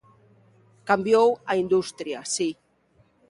Cambiou a industria, si.